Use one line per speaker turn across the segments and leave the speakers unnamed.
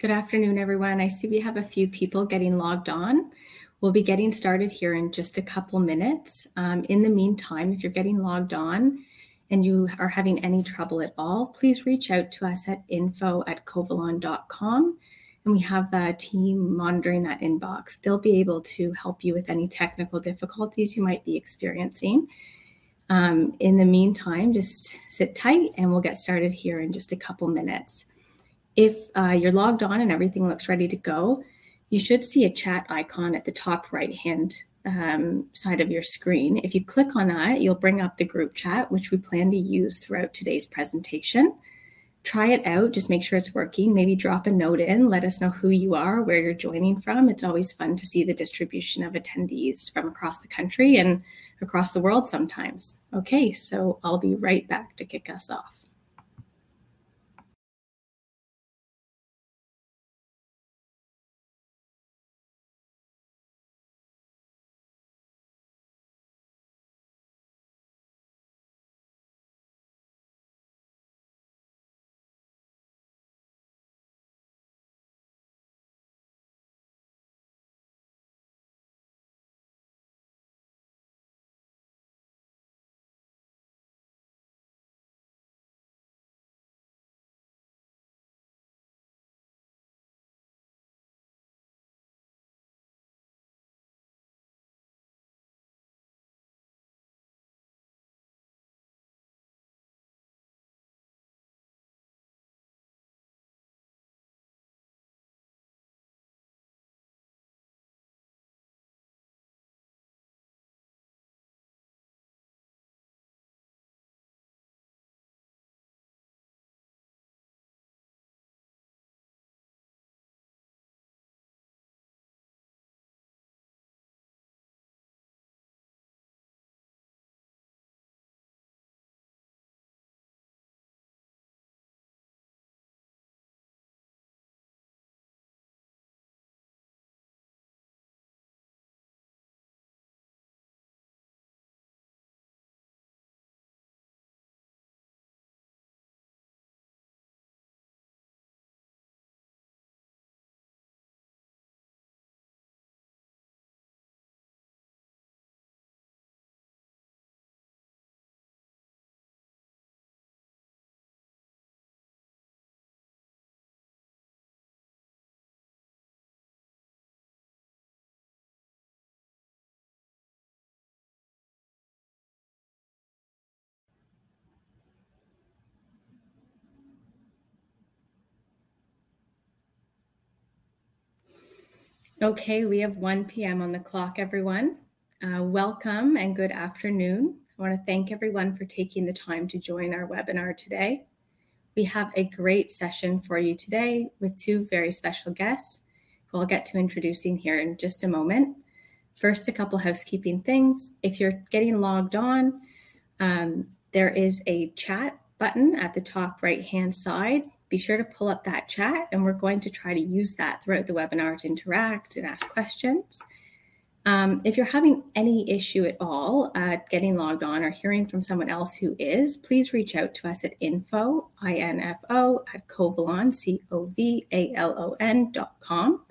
Good afternoon, everyone. I see we have a few people getting logged on. We'll be getting started here in just a couple minutes. In the meantime, if you're getting logged on and you are having any trouble at all, please reach out to us at info@covalon.com, and we have a team monitoring that inbox. They'll be able to help you with any technical difficulties you might be experiencing. In the meantime, just sit tight, and we'll get started here in just a couple minutes. If you're logged on and everything looks ready to go, you should see a chat icon at the top right-hand side of your screen. If you click on that, you'll bring up the group chat, which we plan to use throughout today's presentation. Try it out, just make sure it's working. Maybe drop a note in, let us know who you are, where you're joining from. It's always fun to see the distribution of attendees from across the country and across the world sometimes. Okay, so I'll be right back to kick us off. Okay, we have 1:00 P.M. on the clock, everyone. Welcome and good afternoon. I want to thank everyone for taking the time to join our webinar today. We have a great session for you today with two very special guests, who I'll get to introducing here in just a moment. First, a couple housekeeping things. If you're getting logged on, there is a chat button at the top right-hand side. Be sure to pull up that chat, and we're going to try to use that throughout the webinar to interact and ask questions. If you're having any issue at all, getting logged on or hearing from someone else who is, please reach out to us at info, I-N-F-O, @Covalon, C-O-V-A-L-O-N, .com.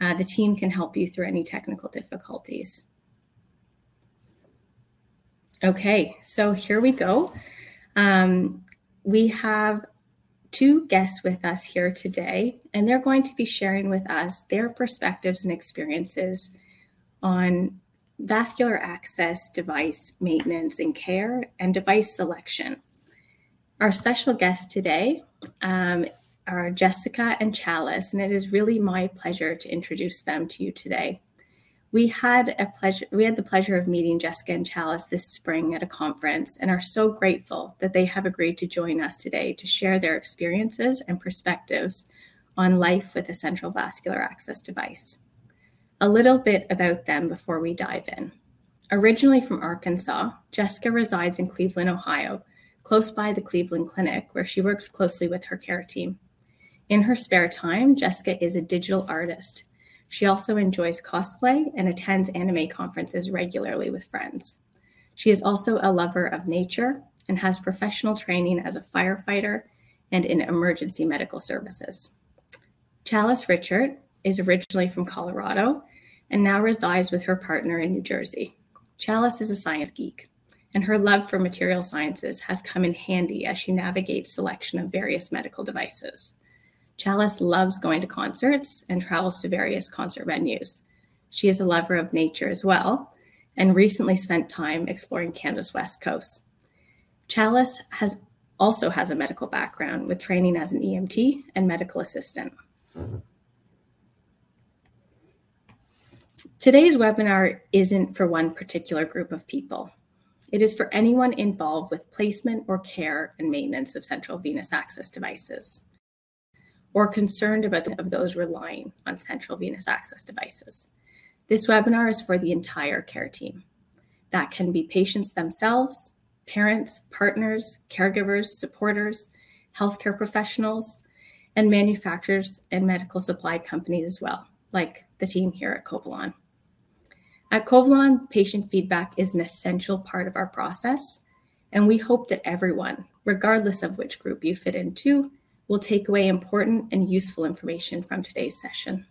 The team can help you through any technical difficulties. Okay, so here we go. We have two guests with us here today, and they're going to be sharing with us their perspectives and experiences on vascular access, device maintenance and care, and device selection. Our special guests today are Jessica and Chalice, and it is really my pleasure to introduce them to you today. We had the pleasure of meeting Jessica and Chalice this spring at a conference and are so grateful that they have agreed to join us today to share their experiences and perspectives on life with a central vascular access device. A little bit about them before we dive in. Originally from Arkansas, Jessica resides in Cleveland, Ohio, close by the Cleveland Clinic, where she works closely with her care team. In her spare time, Jessica is a digital artist. She also enjoys cosplay and attends anime conferences regularly with friends. She is also a lover of nature and has professional training as a firefighter and in emergency medical services. Chalice Richert is originally from Colorado and now resides with her partner in New Jersey. Chalice is a science geek, and her love for material sciences has come in handy as she navigates selection of various medical devices. Chalice loves going to concerts and travels to various concert venues. She is a lover of nature as well, and recently spent time exploring Canada's west coast. Chalice also has a medical background, with training as an EMT and medical assistant. Today's webinar isn't for one particular group of people. It is for anyone involved with placement or care and maintenance of central venous access devices, or concerned about those relying on central venous access devices. This webinar is for the entire care team. That can be patients themselves, parents, partners, caregivers, supporters, healthcare professionals, and manufacturers and medical supply companies as well, like the team here at Covalon. At Covalon, patient feedback is an essential part of our process, and we hope that everyone, regardless of which group you fit into, will take away important and useful information from today's session.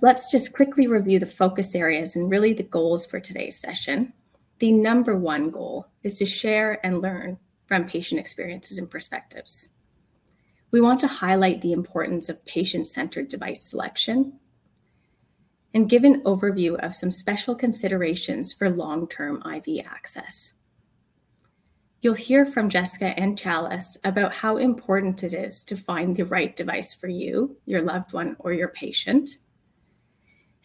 Let's just quickly review the focus areas and really the goals for today's session. The number one goal is to share and learn from patient experiences and perspectives. We want to highlight the importance of patient-centered device selection, and give an overview of some special considerations for long-term IV access. You'll hear from Jessica and Chalice about how important it is to find the right device for you, your loved one, or your patient,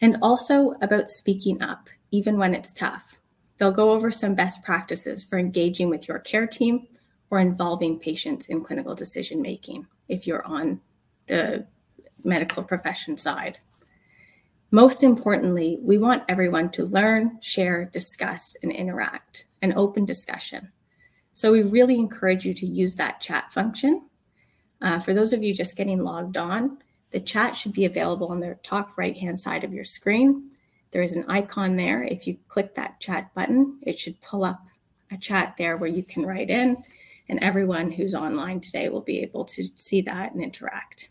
and also about speaking up, even when it's tough. They'll go over some best practices for engaging with your care team or involving patients in clinical decision-making if you're on the medical profession side. Most importantly, we want everyone to learn, share, discuss, and interact, an open discussion. So we really encourage you to use that chat function. For those of you just getting logged on, the chat should be available on the top right-hand side of your screen. There is an icon there. If you click that chat button, it should pull up a chat there where you can write in, and everyone who's online today will be able to see that and interact.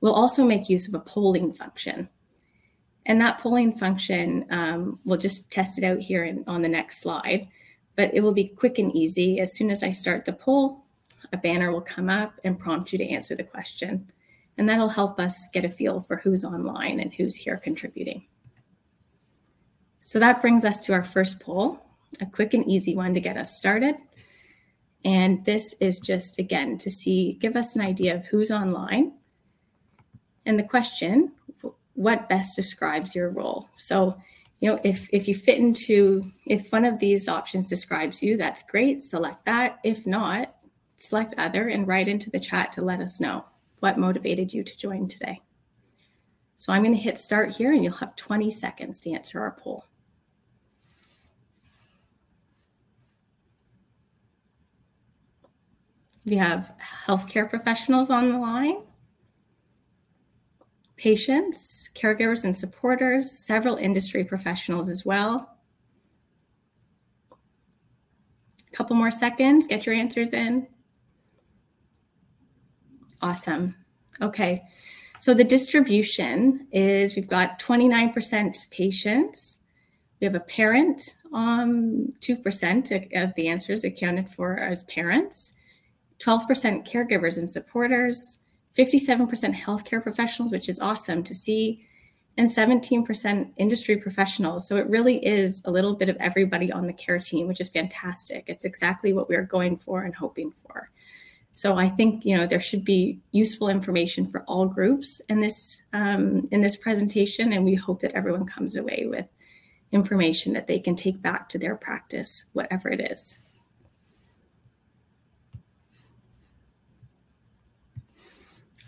We'll also make use of a polling function, and that polling function, we'll just test it out here on the next slide, but it will be quick and easy. As soon as I start the poll, a banner will come up and prompt you to answer the question, and that'll help us get a feel for who's online and who's here contributing. So that brings us to our first poll, a quick and easy one to get us started. And this is just, again, to give us an idea of who's online. And the question: what best describes your role? So, you know, if you fit into one of these options describes you, that's great, select that. If not, select other and write into the chat to let us know what motivated you to join today. So I'm gonna hit start here, and you'll have 20 seconds to answer our poll. We have healthcare professionals on the line, patients, caregivers and supporters, several industry professionals as well. A couple more seconds, get your answers in. Awesome! Okay, so the distribution is: we've got 29% patients, we have a parent, 2% of the answers accounted for as parents, 12% caregivers and supporters, 57% healthcare professionals, which is awesome to see, and 17% industry professionals. So it really is a little bit of everybody on the care team, which is fantastic. It's exactly what we're going for and hoping for. So I think, you know, there should be useful information for all groups in this, in this presentation, and we hope that everyone comes away with information that they can take back to their practice, whatever it is.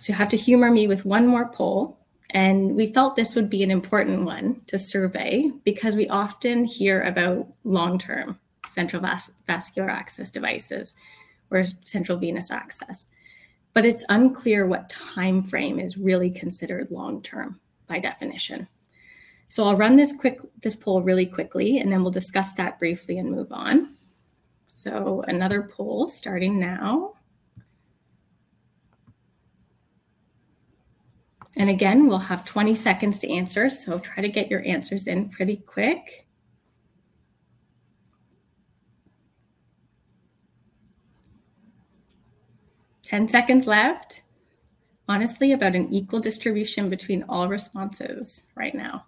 So you have to humor me with one more poll, and we felt this would be an important one to survey because we often hear about long-term central vascular access devices or central venous access. But it's unclear what timeframe is really considered long term by definition. So I'll run this quick poll really quickly, and then we'll discuss that briefly and move on. So another poll starting now. And again, we'll have 20 seconds to answer, so try to get your answers in pretty quick. 10 seconds left. Honestly, about an equal distribution between all responses right now.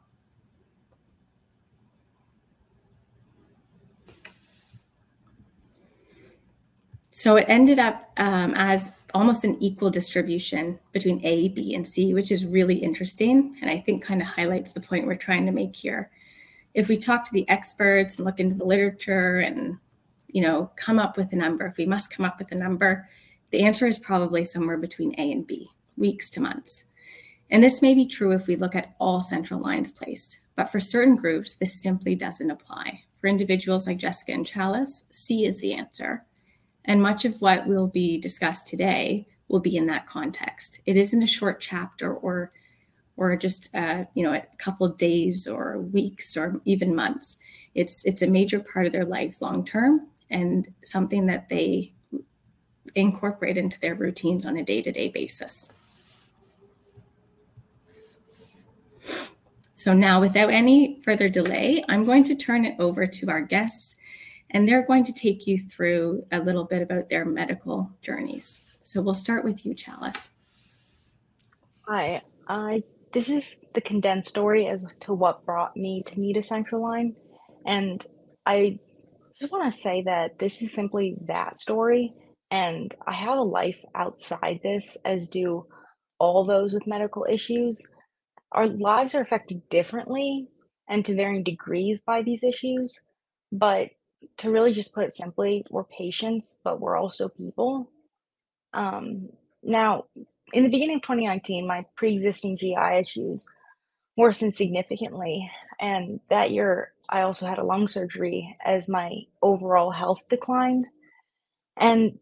So it ended up as almost an equal distribution between A, B, and C, which is really interesting, and I think kinda highlights the point we're trying to make here. If we talk to the experts and look into the literature and, you know, come up with a number, if we must come up with a number, the answer is probably somewhere between A and B, weeks to months. And this may be true if we look at all central lines placed, but for certain groups, this simply doesn't apply. For individuals like Jessica and Chalice, C is the answer, and much of what will be discussed today will be in that context. It isn't a short chapter or just, you know, a couple of days or weeks or even months. It's a major part of their life long term and something that they incorporate into their routines on a day-to-day basis. So now, without any further delay, I'm going to turn it over to our guests, and they're going to take you through a little bit about their medical journeys. So we'll start with you, Chalice.
Hi. This is the condensed story as to what brought me to need a central line, and I just wanna say that this is simply that story, and I have a life outside this, as do all those with medical issues. Our lives are affected differently and to varying degrees by these issues, but to really just put it simply, we're patients, but we're also people. Now, in the beginning of 2019, my preexisting GI issues worsened significantly, and that year, I also had a lung surgery as my overall health declined.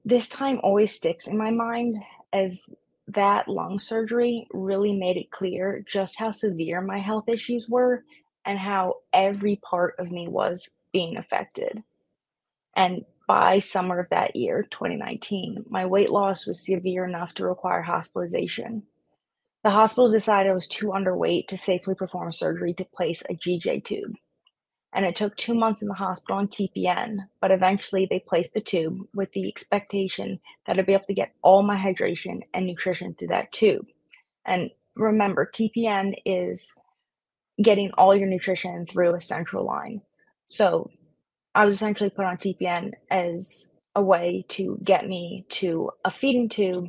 This time always sticks in my mind, as that lung surgery really made it clear just how severe my health issues were and how every part of me was being affected. By summer of that year, 2019, my weight loss was severe enough to require hospitalization. The hospital decided I was too underweight to safely perform surgery to place a GJ tube, and it took two months in the hospital on TPN. But eventually, they placed the tube with the expectation that I'd be able to get all my hydration and nutrition through that tube. And remember, TPN is getting all your nutrition through a central line. So I was essentially put on TPN as a way to get me to a feeding tube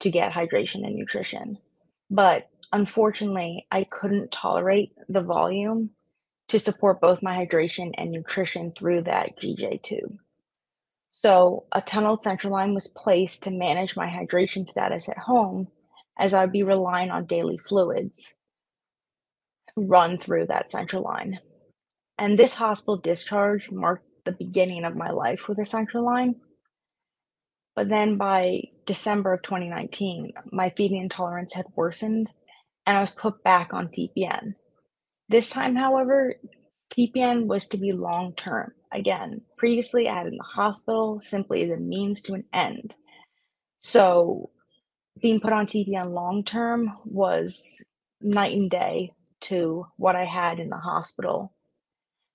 to get hydration and nutrition. But unfortunately, I couldn't tolerate the volume to support both my hydration and nutrition through that GJ tube. So a tunneled central line was placed to manage my hydration status at home, as I'd be relying on daily fluids run through that central line. And this hospital discharge marked the beginning of my life with a central line. But then by December 2019, my feeding intolerance had worsened, and I was put back on TPN. This time, however, TPN was to be long term. Again, previously, I had it in the hospital simply as a means to an end. So being put on TPN long term was night and day to what I had in the hospital,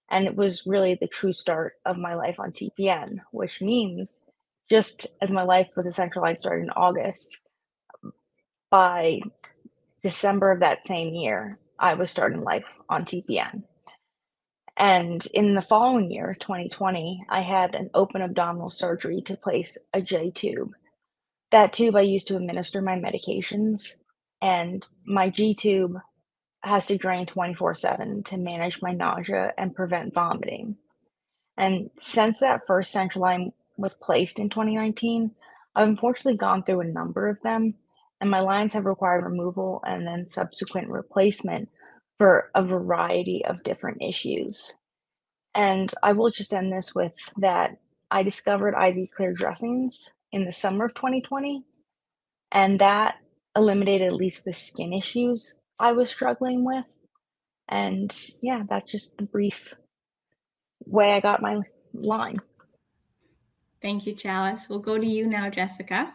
and it was really the true start of my life on TPN. Which means just as my life with a central line started in August, by December of that same year, I was starting life on TPN. And in the following year, 2020, I had an open abdominal surgery to place a J tube. That tube I used to administer my medications, and my G tube has to drain 24/7 to manage my nausea and prevent vomiting. Since that first central line was placed in 2019, I've unfortunately gone through a number of them, and my lines have required removal and then subsequent replacement for a variety of different issues. I will just end this with that. I discovered IV Clear dressings in the summer of 2020, and that eliminated at least the skin issues I was struggling with. Yeah, that's just the brief way I got my line.
Thank you, Chalice. We'll go to you now, Jessica.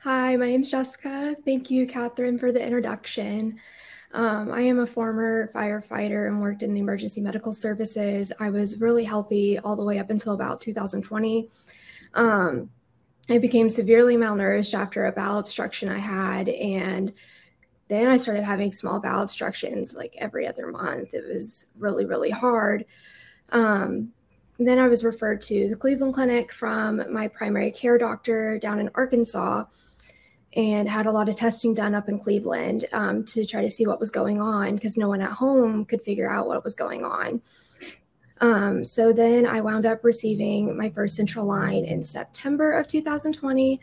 Hi, my name's Jessica. Thank you, Kathryn, for the introduction. I am a former firefighter and worked in the emergency medical services. I was really healthy all the way up until about 2020. I became severely malnourished after a bowel obstruction I had, and then I started having small bowel obstructions, like, every other month. It was really, really hard. Then I was referred to the Cleveland Clinic from my primary care doctor down in Arkansas and had a lot of testing done up in Cleveland, to try to see what was going on, 'cause no one at home could figure out what was going on. So then I wound up receiving my first central line in September of 2020.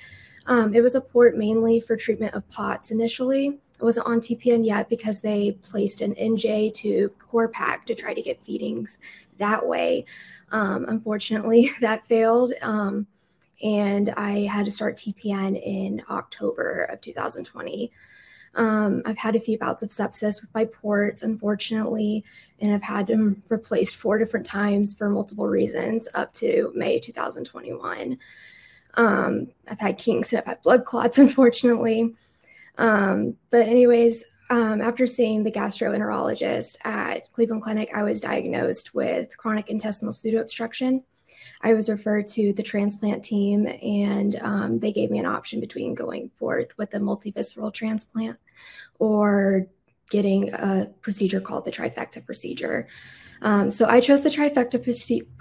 It was a port mainly for treatment of POTS initially. I wasn't on TPN yet because they placed an NJ tube Corpak to try to get feedings that way. Unfortunately, that failed, and I had to start TPN in October 2020. I've had a few bouts of sepsis with my ports, unfortunately, and I've had them replaced four different times for multiple reasons up to May 2021. I've had kinks, and I've had blood clots, unfortunately. But anyways, after seeing the gastroenterologist at Cleveland Clinic, I was diagnosed with chronic intestinal pseudo-obstruction. I was referred to the transplant team, and they gave me an option between going forth with a multivisceral transplant or getting a procedure called the trifecta procedure. So I chose the trifecta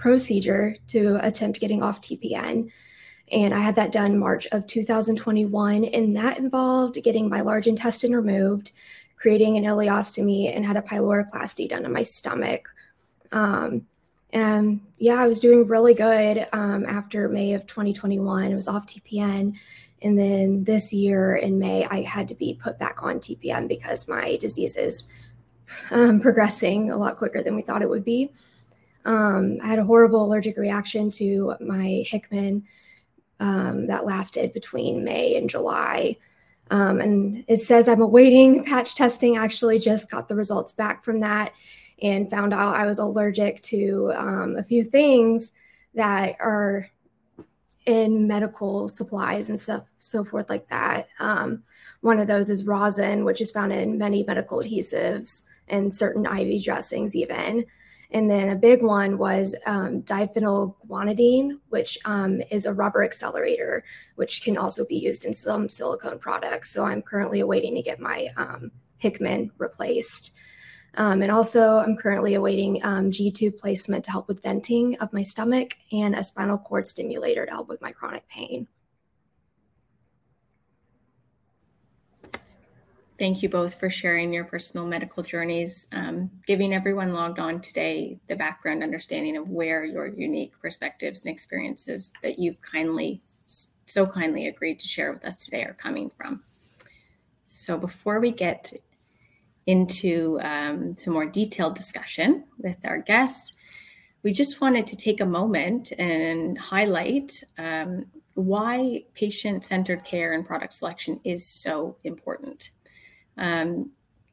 procedure to attempt getting off TPN, and I had that done March 2021. And that involved getting my large intestine removed, creating an ileostomy, and had a pyloroplasty done on my stomach. And yeah, I was doing really good after May of 2021. I was off TPN, and then this year, in May, I had to be put back on TPN because my disease is progressing a lot quicker than we thought it would be. I had a horrible allergic reaction to my Hickman that lasted between May and July. And it says I'm awaiting patch testing. I actually just got the results back from that and found out I was allergic to a few things that are in medical supplies and stuff, so forth like that. One of those is rosin, which is found in many medical adhesives and certain IV dressings even. Then a big one was, Diphenyl Guanidine, which is a rubber accelerator, which can also be used in some silicone products. So I'm currently awaiting to get my Hickman replaced. And also, I'm currently awaiting G-tube placement to help with venting of my stomach and a spinal cord stimulator to help with my chronic pain.
Thank you both for sharing your personal medical journeys, giving everyone logged on today the background understanding of where your unique perspectives and experiences that you've kindly, so kindly agreed to share with us today are coming from. So before we get into to more detailed discussion with our guests, we just wanted to take a moment and highlight why patient-centered care and product selection is so important.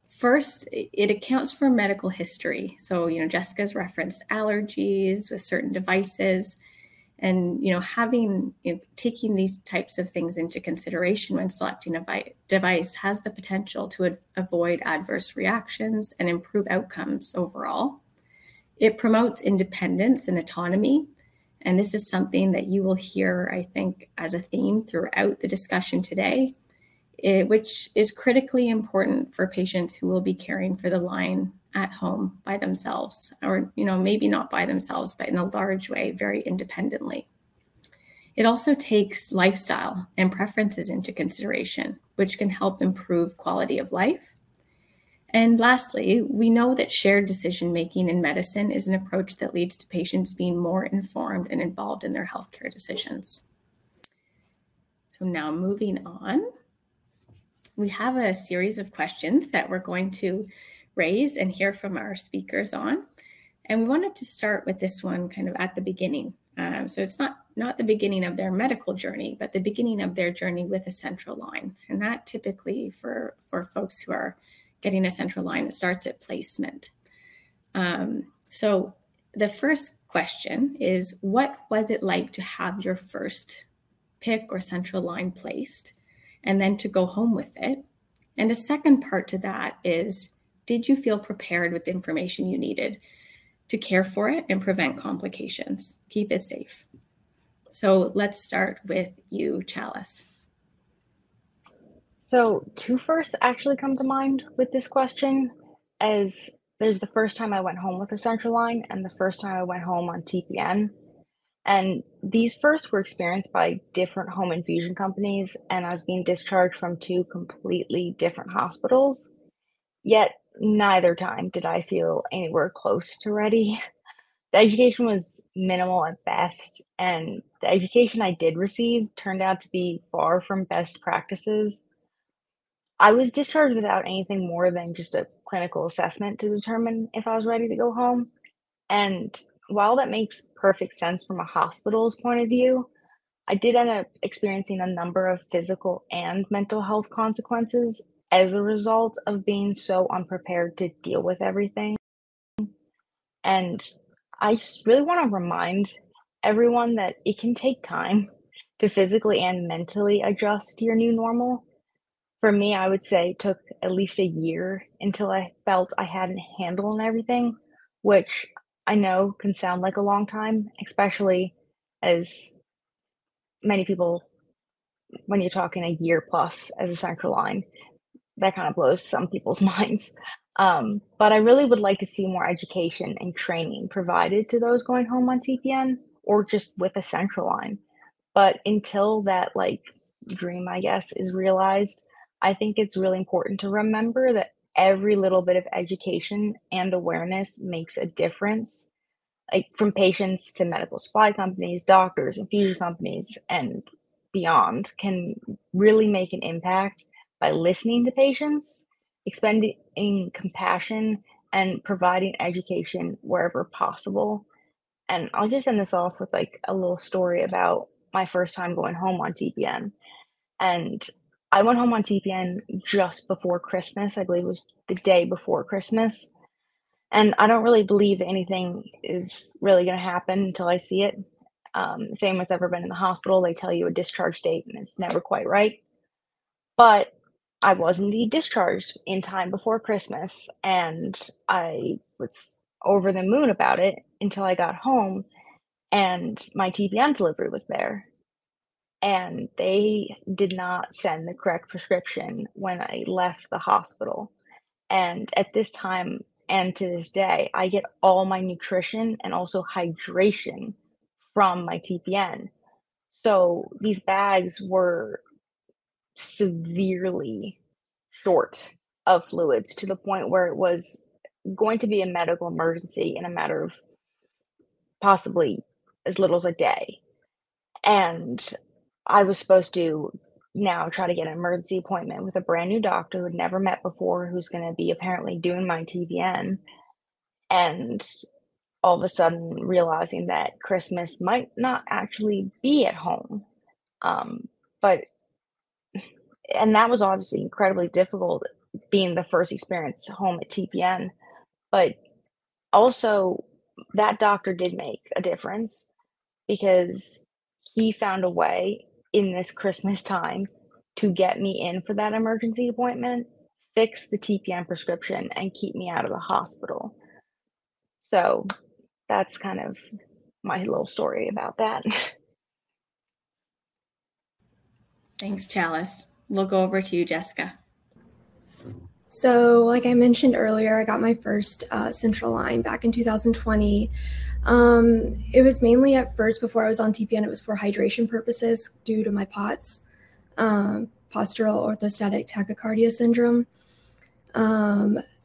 First, it accounts for medical history. So, you know, Jessica's referenced allergies with certain devices, and, you know, having, you know, taking these types of things into consideration when selecting a device has the potential to avoid adverse reactions and improve outcomes overall. It promotes independence and autonomy, and this is something that you will hear, I think, as a theme throughout the discussion today, it... which is critically important for patients who will be caring for the line at home by themselves, or, you know, maybe not by themselves, but in a large way, very independently. It also takes lifestyle and preferences into consideration, which can help improve quality of life. Lastly, we know that shared decision-making in medicine is an approach that leads to patients being more informed and involved in their healthcare decisions. Now, moving on, we have a series of questions that we're going to raise and hear from our speakers on, and we wanted to start with this one kind of at the beginning. It's not the beginning of their medical journey, but the beginning of their journey with a central line, and that typically for folks who are getting a central line, it starts at placement. So the first question is: What was it like to have your first PICC or central line placed, and then to go home with it? And the second part to that is: Did you feel prepared with the information you needed to care for it and prevent complications, keep it safe? So let's start with you, Chalice.
So two firsts actually come to mind with this question, as there's the first time I went home with a central line and the first time I went home on TPN. These firsts were experienced by different home infusion companies, and I was being discharged from two completely different hospitals, yet neither time did I feel anywhere close to ready. The education was minimal at best, and the education I did receive turned out to be far from best practices. I was discharged without anything more than just a clinical assessment to determine if I was ready to go home. While that makes perfect sense from a hospital's point of view, I did end up experiencing a number of physical and mental health consequences as a result of being so unprepared to deal with everything. I just really want to remind everyone that it can take time to physically and mentally adjust to your new normal. For me, I would say it took at least a year until I felt I had a handle on everything, which I know can sound like a long time, especially as many people... when you're talking a year-plus as a central line, that kind of blows some people's minds. But I really would like to see more education and training provided to those going home on TPN or just with a central line. But until that, like, dream, I guess, is realized, I think it's really important to remember that every little bit of education and awareness makes a difference, like, from patients to medical supply companies, doctors, infusion companies, and beyond, can really make an impact by listening to patients, extending compassion, and providing education wherever possible. And I'll just end this off with, like, a little story about my first time going home on TPN, and I went home on TPN just before Christmas. I believe it was the day before Christmas, and I don't really believe anything is really going to happen until I see it. Same with everyone in the hospital, they tell you a discharge date, and it's never quite right. But I was indeed discharged in time before Christmas, and I was over the moon about it until I got home, and my TPN delivery was there, and they did not send the correct prescription when I left the hospital. And at this time, and to this day, I get all my nutrition and also hydration from my TPN. So these bags were severely short of fluids, to the point where it was going to be a medical emergency in a matter of possibly as little as a day. And I was supposed to now try to get an emergency appointment with a brand-new doctor who I'd never met before, who's gonna be apparently doing my TPN, and all of a sudden realizing that Christmas might not actually be at home. But... and that was obviously incredibly difficult, being the first experience home with TPN. But also, that doctor did make a difference because he found a way, in this Christmas time, to get me in for that emergency appointment, fix the TPN prescription, and keep me out of the hospital. So that's kind of my little story about that.
Thanks, Chalice. We'll go over to you, Jessica.
So, like I mentioned earlier, I got my first central line back in 2020. It was mainly at first, before I was on TPN, it was for hydration purposes due to my POTS, postural orthostatic tachycardia syndrome.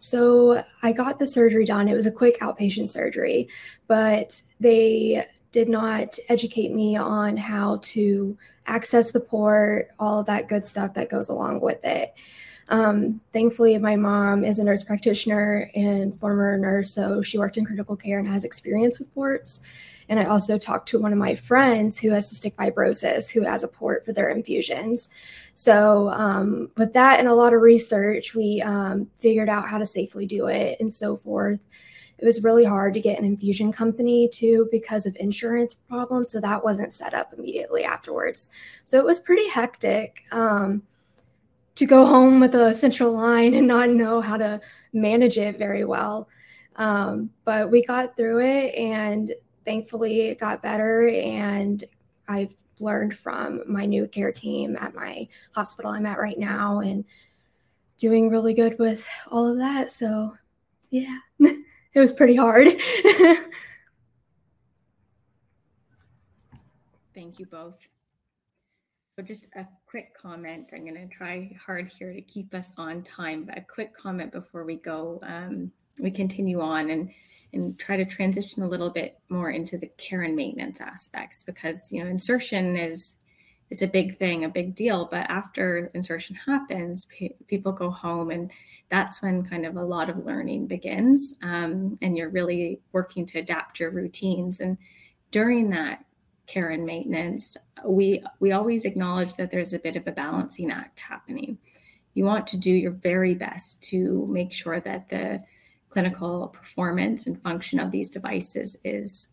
So I got the surgery done. It was a quick outpatient surgery, but they did not educate me on how to access the port, all of that good stuff that goes along with it. Thankfully, my mom is a nurse practitioner and former nurse, so she worked in critical care and has experience with ports. And I also talked to one of my friends who has cystic fibrosis, who has a port for their infusions. So, with that and a lot of research, we figured out how to safely do it, and so forth. It was really hard to get an infusion company, too, because of insurance problems, so that wasn't set up immediately afterwards. So it was pretty hectic, to go home with a central line and not know how to manage it very well. But we got through it, and thankfully it got better, and I've learned from my new care team at my hospital I'm at right now, and doing really good with all of that. So yeah, it was pretty hard.
Thank you both. So just a quick comment. I'm going to try hard here to keep us on time. But a quick comment before we go, we continue on, and try to transition a little bit more into the care and maintenance aspects, because, you know, insertion is a big thing, a big deal. But after insertion happens, people go home, and that's when kind of a lot of learning begins. And you're really working to adapt your routines. And during that care and maintenance, we always acknowledge that there's a bit of a balancing act happening. You want to do your very best to make sure that the clinical performance and function of these devices is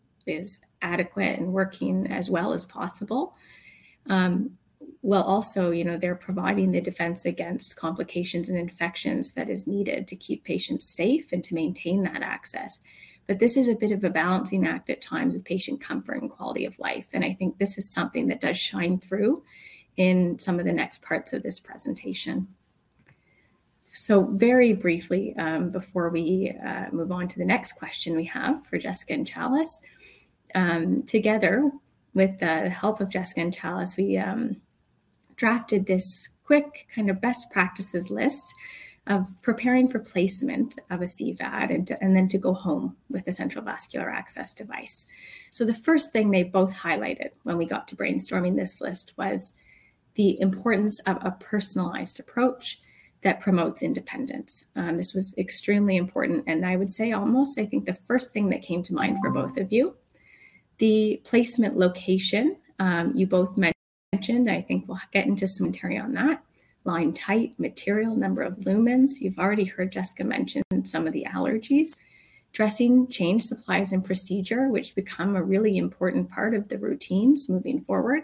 adequate and working as well as possible. While also, you know, they're providing the defense against complications and infections that is needed to keep patients safe and to maintain that access. But this is a bit of a balancing act at times with patient comfort and quality of life, and I think this is something that does shine through in some of the next parts of this presentation. So very briefly, before we move on to the next question we have for Jessica and Chalice, together with the help of Jessica and Chalice, we drafted this quick kind of best practices list of preparing for placement of a CVAD and to... and then to go home with a central vascular access device. So the first thing they both highlighted when we got to brainstorming this list was the importance of a personalized approach that promotes independence. This was extremely important, and I would say almost, I think, the first thing that came to mind for both of you. The placement location, you both mentioned, I think we'll get into some material on that. Line type, material, number of lumens. You've already heard Jessica mention some of the allergies. Dressing change, supplies, and procedure, which become a really important part of the routines moving forward.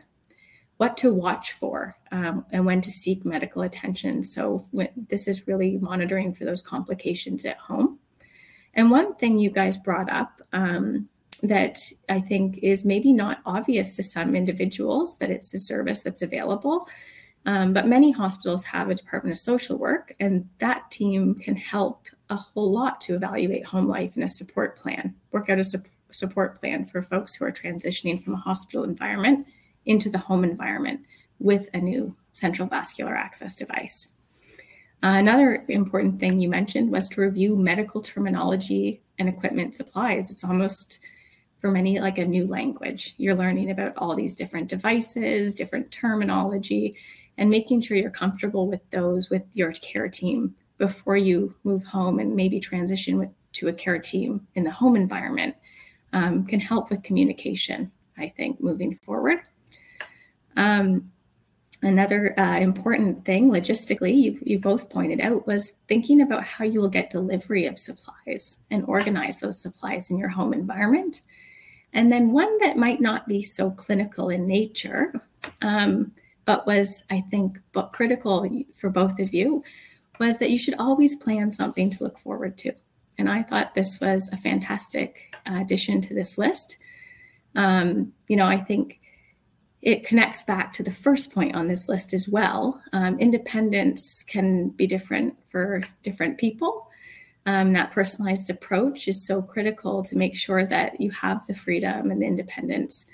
What to watch for, and when to seek medical attention. This is really monitoring for those complications at home. And one thing you guys brought up, that I think is maybe not obvious to some individuals, that it's a service that's available, but many hospitals have a department of social work, and that team can help a whole lot to evaluate home life and a support plan. Work out a support plan for folks who are transitioning from a hospital environment into the home environment with a new central vascular access device. Another important thing you mentioned was to review medical terminology and equipment supplies. It's almost, for many, like a new language. You're learning about all these different devices, different terminology, and making sure you're comfortable with those, with your care team before you move home and maybe transition with, to a care team in the home environment, can help with communication, I think, moving forward. Another important thing, logistically, you both pointed out, was thinking about how you will get delivery of supplies and organize those supplies in your home environment. And then one that might not be so clinical in nature, but was, I think, but critical for both of you, was that you should always plan something to look forward to, and I thought this was a fantastic addition to this list. You know, I think it connects back to the first point on this list as well. Independence can be different for different people. That personalized approach is so critical to make sure that you have the freedom and the independence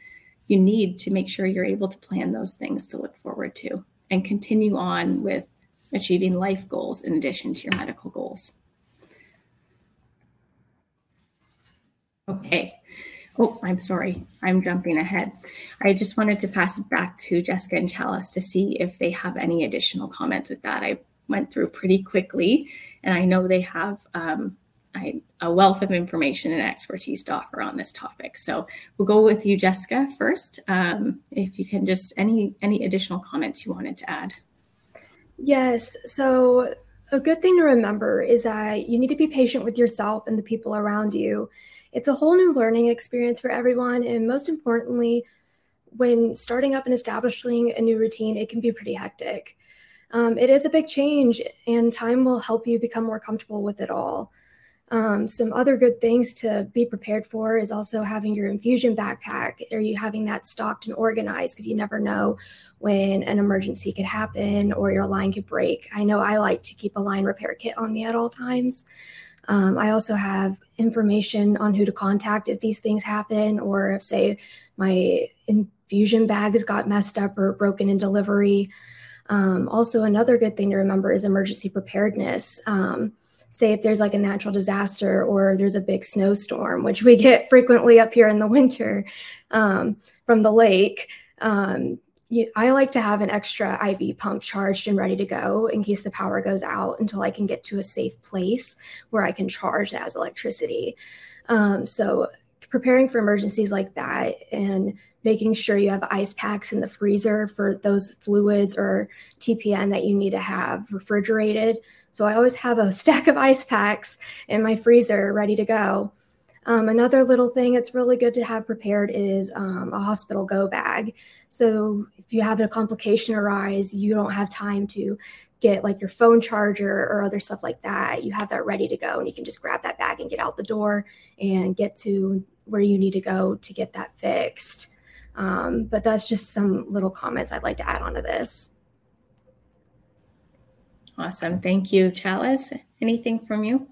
you need to make sure you're able to plan those things to look forward to and continue on with achieving life goals in addition to your medical goals. Okay. Oh, I'm sorry. I'm jumping ahead. I just wanted to pass it back to Jessica and Chalice to see if they have any additional comments with that. I went through pretty quickly, and I know they have a wealth of information and expertise to offer on this topic. So we'll go with you, Jessica, first. If you can just... any additional comments you wanted to add?
Yes. So a good thing to remember is that you need to be patient with yourself and the people around you. It's a whole new learning experience for everyone, and most importantly, when starting up and establishing a new routine, it can be pretty hectic. It is a big change, and time will help you become more comfortable with it all. Some other good things to be prepared for is also having your infusion backpack, or you having that stocked and organized, because you never know when an emergency could happen or your line could break. I know I like to keep a line repair kit on me at all times. I also have information on who to contact if these things happen, or if, say, my infusion bag has got messed up or broken in delivery... Also another good thing to remember is emergency preparedness. Say, if there's, like, a natural disaster or there's a big snowstorm, which we get frequently up here in the winter, from the lake, I like to have an extra IV pump charged and ready to go in case the power goes out, until I can get to a safe place where I can charge that has electricity. So preparing for emergencies like that and making sure you have ice packs in the freezer for those fluids or TPN that you need to have refrigerated. So I always have a stack of ice packs in my freezer ready to go. Another little thing that's really good to have prepared is, a hospital go bag. So if you have a complication arise, you don't have time to get, like, your phone charger or other stuff like that. You have that ready to go, and you can just grab that bag and get out the door and get to where you need to go to get that fixed. But that's just some little comments I'd like to add onto this.
Awesome. Thank you. Chalice, anything from you?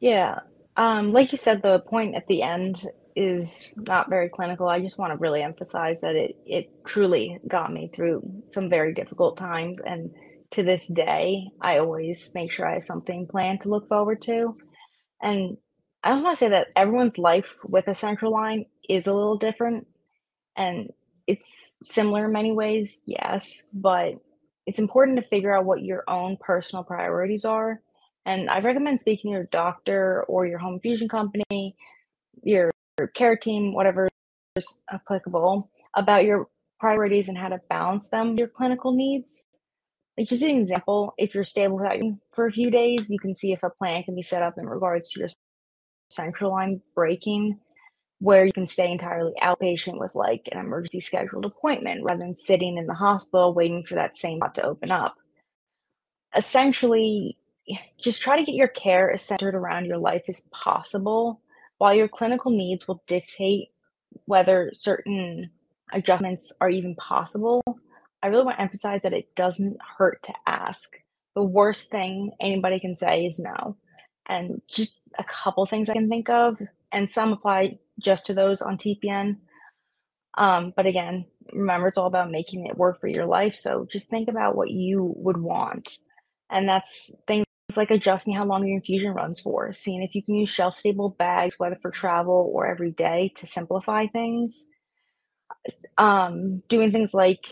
Yeah. Like you said, the point at the end is not very clinical. I just wanna really emphasize that it truly got me through some very difficult times, and to this day, I always make sure I have something planned to look forward to. And I just wanna say that everyone's life with a central line is a little different, and it's similar in many ways, yes, but it's important to figure out what your own personal priorities are. And I recommend speaking to your doctor or your home infusion company, your care team, whatever is applicable, about your priorities and how to balance them, your clinical needs. Like, just as an example, if you're stable for a few days, you can see if a plan can be set up in regards to your central line breaking, where you can stay entirely outpatient with, like, an emergency scheduled appointment rather than sitting in the hospital waiting for that same spot to open up. Essentially, just try to get your care as centered around your life as possible. While your clinical needs will dictate whether certain adjustments are even possible, I really want to emphasize that it doesn't hurt to ask. The worst thing anybody can say is no. And just a couple of things I can think of, and some apply just to those on TPN, but again, remember, it's all about making it work for your life, so just think about what you would want. That's things like adjusting how long your infusion runs for, seeing if you can use shelf-stable bags, whether for travel or every day, to simplify things. Doing things like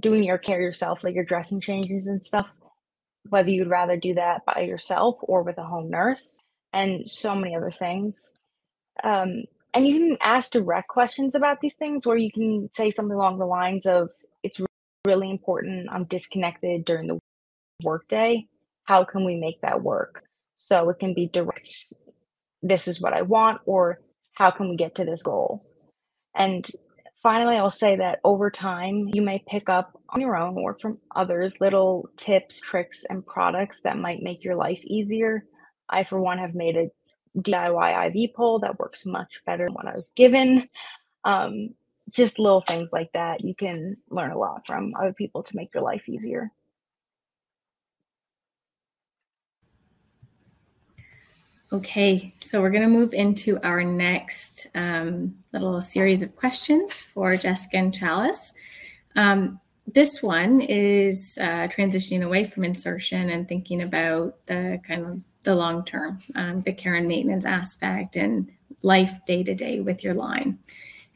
doing your care yourself, like your dressing changes and stuff, whether you'd rather do that by yourself or with a home nurse, and so many other things. You can ask direct questions about these things, or you can say something along the lines of, "It's really important I'm disconnected during the workday. How can we make that work?" So it can be direct, "This is what I want," or, "How can we get to this goal?" Finally, I'll say that over time, you may pick up on your own or from others little tips, tricks, and products that might make your life easier. I, for one, have made a DIY IV pole that works much better than what I was given. Just little things like that, you can learn a lot from other people to make your life easier.
Okay, so we're gonna move into our next little series of questions for Jessica and Chalice. This one is transitioning away from insertion and thinking about the long term, the care and maintenance aspect and life day-to-day with your line.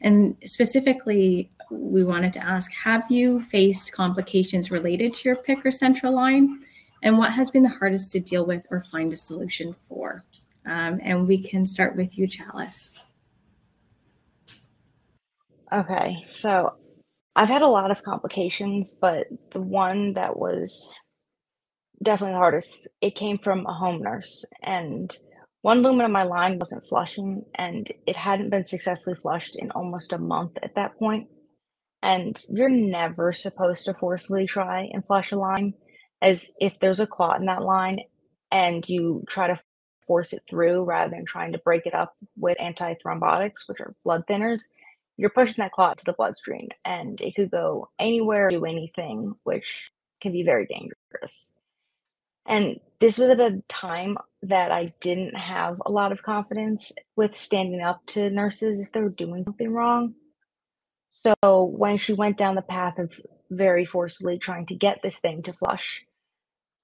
And specifically, we wanted to ask: Have you faced complications related to your PICC or central line, and what has been the hardest to deal with or find a solution for? And we can start with you, Chalice.
Okay, so I've had a lot of complications, but the one that was definitely the hardest, it came from a home nurse, and one lumen in my line wasn't flushing, and it hadn't been successfully flushed in almost a month at that point. And you're never supposed to forcefully try and flush a line, as if there's a clot in that line and you try to force it through rather than trying to break it up with antithrombotics, which are blood thinners, you're pushing that clot to the bloodstream, and it could go anywhere, do anything, which can be very dangerous. And this was at a time that I didn't have a lot of confidence with standing up to nurses if they were doing something wrong. So when she went down the path of very forcefully trying to get this thing to flush,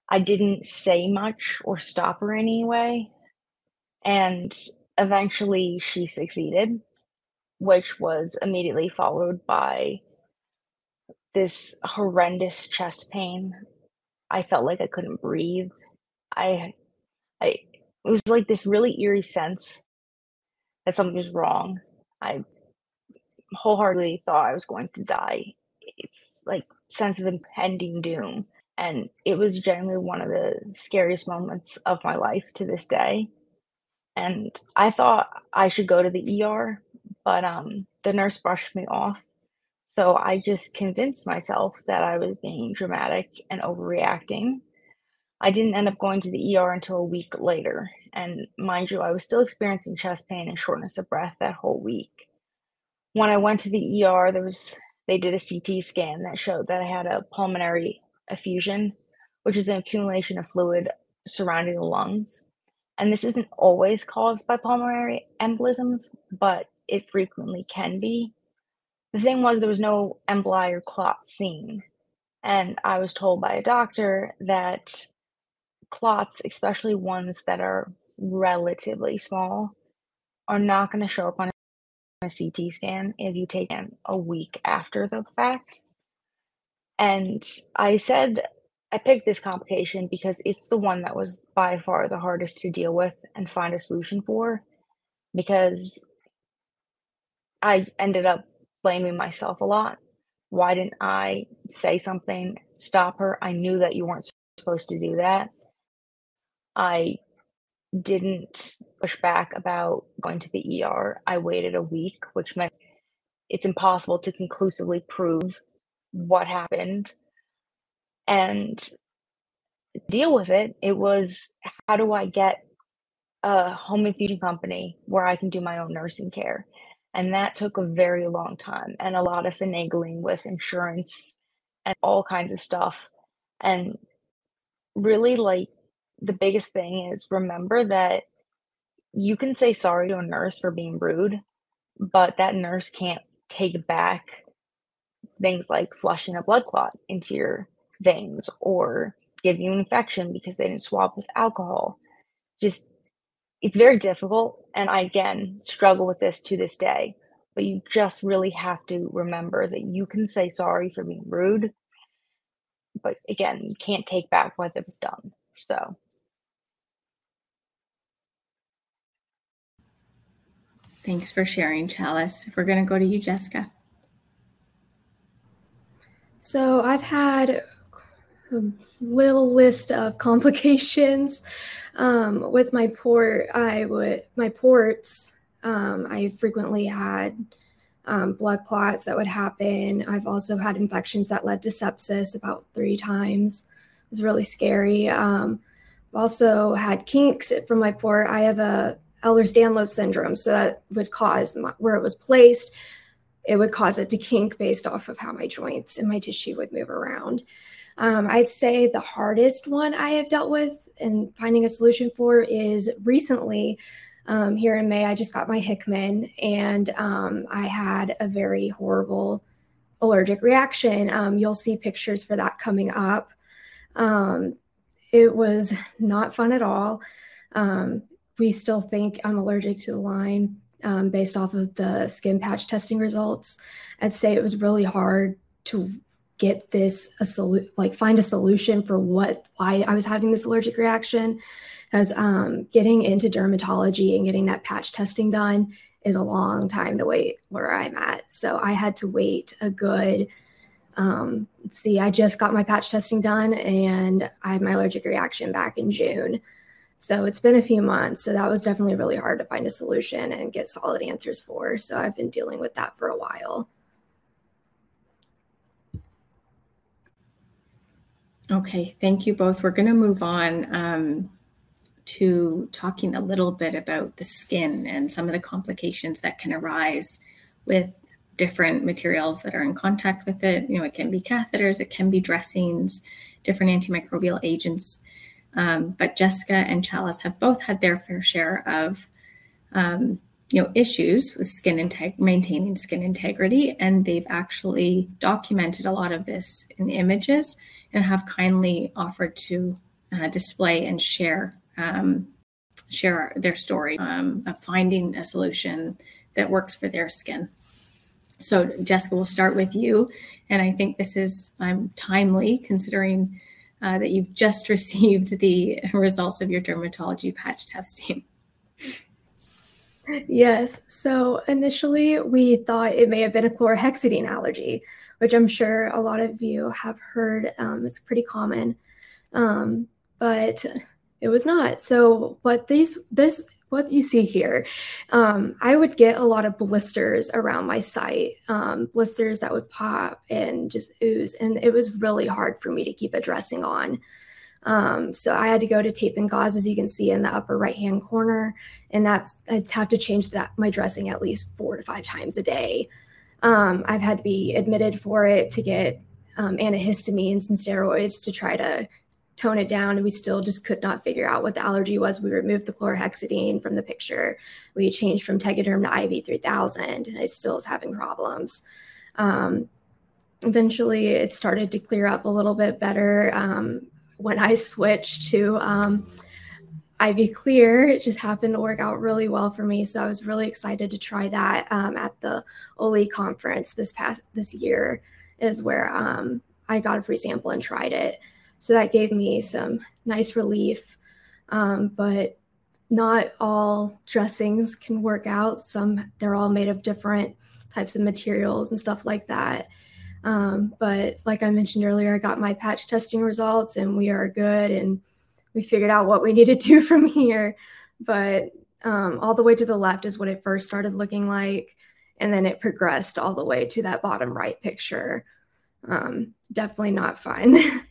I didn't say much or stop her in any way, and eventually, she succeeded, which was immediately followed by this horrendous chest pain. I felt like I couldn't breathe. It was, like, this really eerie sense that something was wrong. I wholeheartedly thought I was going to die. It's like a sense of impending doom, and it was genuinely one of the scariest moments of my life to this day. I thought I should go to the ER, but the nurse brushed me off, so I just convinced myself that I was being dramatic and overreacting. I didn't end up going to the ER until a week later, and mind you, I was still experiencing chest pain and shortness of breath that whole week. When I went to the ER, they did a CT scan that showed that I had a pulmonary effusion, which is an accumulation of fluid surrounding the lungs. This isn't always caused by pulmonary embolisms, but it frequently can be. The thing was, there was no emboli or clot seen, and I was told by a doctor that clots, especially ones that are relatively small, are not gonna show up on a CT scan if you take them a week after the fact. I said I picked this complication because it's the one that was by far the hardest to deal with and find a solution for, because I ended up blaming myself a lot. "Why didn't I say something, stop her? I knew that you weren't supposed to do that." I didn't push back about going to the ER. I waited a week, which meant it's impossible to conclusively prove what happened and deal with it. It was, "How do I get a home infusion company where I can do my own nursing care?" That took a very long time and a lot of finagling with insurance and all kinds of stuff. Really, like, the biggest thing is, remember that you can say sorry to a nurse for being rude, but that nurse can't take back things like flushing a blood clot into your veins or give you an infection because they didn't swab with alcohol. Just, it's very difficult, and I, again, struggle with this to this day, but you just really have to remember that you can say sorry for being rude, but again, you can't take back what they've done, so.
Thanks for sharing, Chalice. We're gonna go to you, Jessica.
So I've had a little list of complications with my port. My ports, I frequently had blood clots that would happen. I've also had infections that led to sepsis about 3 times. It was really scary. I've also had kinks from my port. I have Ehlers-Danlos syndrome, so that would cause my... Where it was placed, it would cause it to kink based off of how my joints and my tissue would move around. I'd say the hardest one I have dealt with in finding a solution for is recently, here in May, I just got my Hickman, and I had a very horrible allergic reaction. You'll see pictures for that coming up. It was not fun at all. We still think I'm allergic to the line, based off of the skin patch testing results. I'd say it was really hard to get like, find a solution for what, why I was having this allergic reaction, as getting into dermatology and getting that patch testing done is a long time to wait where I'm at. So I had to wait a good... Let's see, I just got my patch testing done, and I had my allergic reaction back in June, so it's been a few months. So that was definitely really hard to find a solution and get solid answers for. So I've been dealing with that for a while.
Okay. Thank you both. We're gonna move on to talking a little bit about the skin and some of the complications that can arise with different materials that are in contact with it. You know, it can be catheters, it can be dressings, different antimicrobial agents. But Jessica and Chalice have both had their fair share of, you know, issues with maintaining skin integrity, and they've actually documented a lot of this in images and have kindly offered to display and share their story of finding a solution that works for their skin. So Jessica, we'll start with you, and I think this is timely, considering that you've just received the results of your dermatology patch testing.
Yes. So initially, we thought it may have been a chlorhexidine allergy, which I'm sure a lot of you have heard. It's pretty common, but it was not. So what you see here, I would get a lot of blisters around my site, blisters that would pop and just ooze, and it was really hard for me to keep a dressing on. So I had to go to tape and gauze, as you can see in the upper right-hand corner, and that's... I'd have to change that, my dressing, at least 4-5 times a day. I've had to be admitted for it, to get antihistamines and steroids to try to tone it down, and we still just could not figure out what the allergy was. We removed the chlorhexidine from the picture. We changed from Tegaderm to IV3000, and I still was having problems. Eventually, it started to clear up a little bit better when I switched to IV Clear. It just happened to work out really well for me, so I was really excited to try that at the Oley Conference this year, where I got a free sample and tried it, so that gave me some nice relief. But not all dressings can work out. Some, they're all made of different types of materials and stuff like that. But like I mentioned earlier, I got my patch testing results, and we are good, and we figured out what we need to do from here. But, all the way to the left is what it first started looking like, and then it progressed all the way to that bottom right picture. Definitely not fun.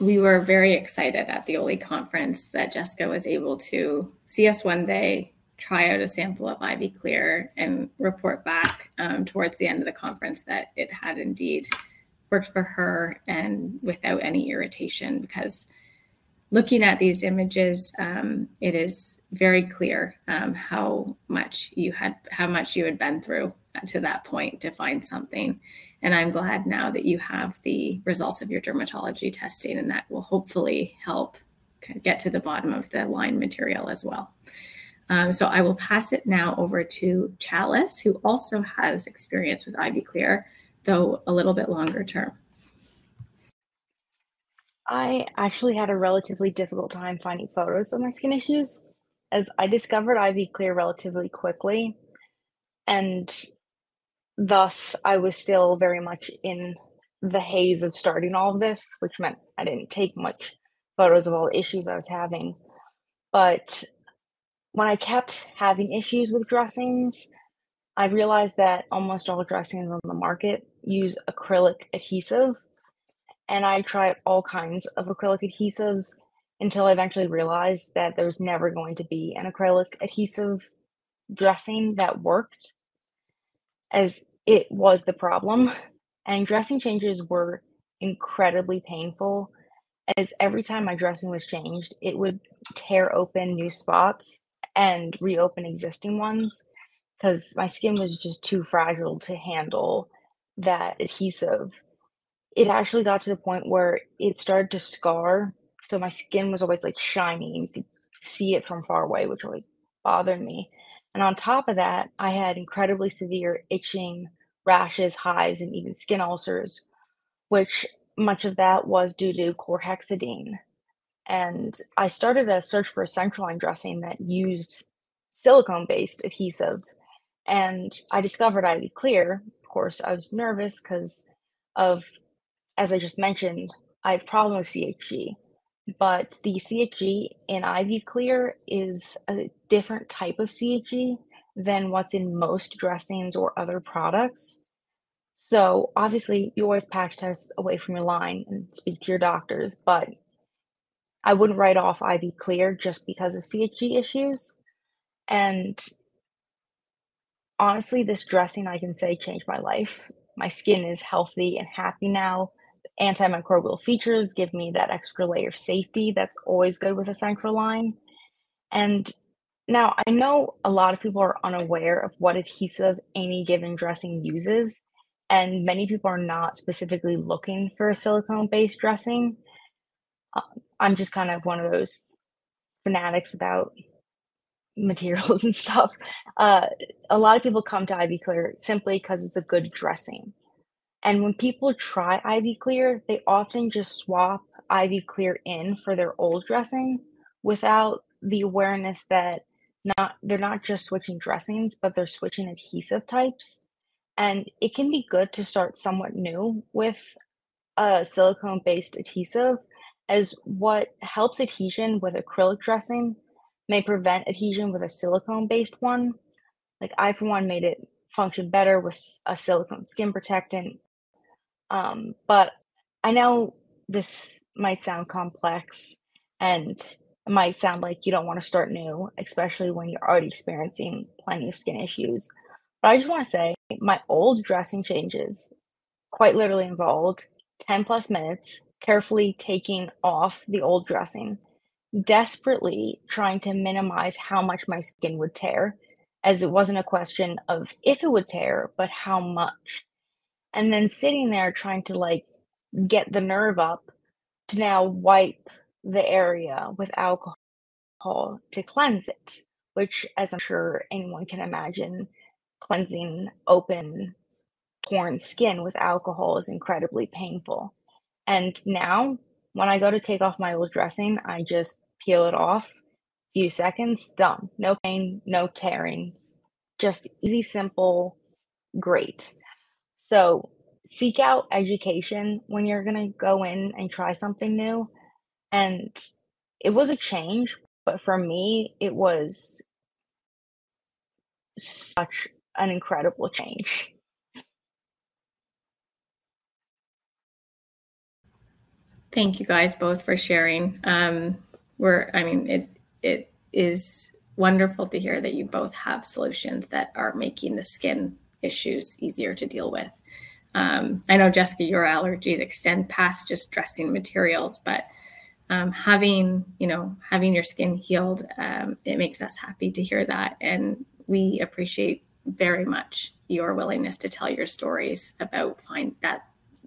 We were very excited at the Oley Conference that Jessica was able to see us one day, try out a sample of IV Clear, and report back, towards the end of the conference that it had indeed worked for her and without any irritation, because-... Looking at these images, it is very clear, how much you had, how much you had been through, up to that point to find something. And I'm glad now that you have the results of your dermatology testing, and that will hopefully help kind of get to the bottom of the line material as well. So I will pass it now over to Chalice, who also has experience with IV Clear, though a little bit longer term.
I actually had a relatively difficult time finding photos of my skin issues, as I discovered IV Clear relatively quickly, and thus, I was still very much in the haze of starting all of this, which meant I didn't take much photos of all the issues I was having. But when I kept having issues with dressings, I realized that almost all dressings on the market use acrylic adhesive, and I tried all kinds of acrylic adhesives until I eventually realized that there was never going to be an acrylic adhesive dressing that worked, as it was the problem. And dressing changes were incredibly painful, as every time my dressing was changed, it would tear open new spots and reopen existing ones, 'cause my skin was just too fragile to handle that adhesive. It actually got to the point where it started to scar, so my skin was always, like, shiny, and you could see it from far away, which always bothered me. On top of that, I had incredibly severe itching, rashes, hives, and even skin ulcers, which much of that was due to Chlorhexidine. I started a search for a central line dressing that used silicone-based adhesives, and I discovered IV Clear. Of course, I was nervous, 'cause of, as I just mentioned, I have a problem with CHG. The CHG in IV Clear is a different type of CHG than what's in most dressings or other products. So obviously, you always patch test away from your line and speak to your doctors, but I wouldn't write off IV Clear just because of CHG issues. Honestly, this dressing, I can say, changed my life. My skin is healthy and happy now. The antimicrobial features give me that extra layer of safety. That's always good with a central line. And now, I know a lot of people are unaware of what adhesive any given dressing uses, and many people are not specifically looking for a silicone-based dressing. I'm just kind of one of those fanatics about materials and stuff. A lot of people come to IV Clear simply 'cause it's a good dressing, and when people try IV Clear, they often just swap IV Clear in for their old dressing, without the awareness that they're not just switching dressings, but they're switching adhesive types. And it can be good to start somewhat new with a silicone-based adhesive, as what helps adhesion with acrylic dressing may prevent adhesion with a silicone-based one. Like, I, for one, made it function better with a silicone skin protectant. But I know this might sound complex, and it might sound like you don't want to start new, especially when you're already experiencing plenty of skin issues. But I just want to say, my old dressing changes quite literally involved 10-plus minutes carefully taking off the old dressing, desperately trying to minimize how much my skin would tear, as it wasn't a question of if it would tear, but how much. And then sitting there, trying to, like, get the nerve up to now wipe the area with alcohol to cleanse it, which, as I'm sure anyone can imagine, cleansing open, torn skin with alcohol is incredibly painful. And now, when I go to take off my old dressing, I just peel it off. A few seconds, done. No pain, no tearing. Just easy, simple, great. So seek out education when you're gonna go in and try something new, and it was a change, but for me, it was such an incredible change.
Thank you, guys, both for sharing. I mean, it is wonderful to hear that you both have solutions that are making the skin issues easier to deal with. I know, Jessica, your allergies extend past just dressing materials, but having, you know, your skin healed, it makes us happy to hear that. And we appreciate very much your willingness to tell your stories about that